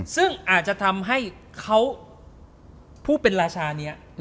ซึ่งอาจจะทำให้เขาผู้เป็นราชานี้